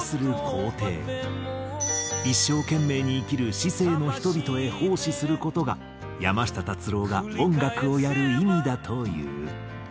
一生懸命に生きる市井への人々へ奉仕する事が山下達郎が音楽をやる意味だという。